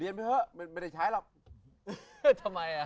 ออกแบบอะไรได้ไหมเนี่ย